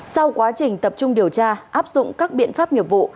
sau quá trình tập trung điều tra áp dụng các biện pháp nghiệp vụ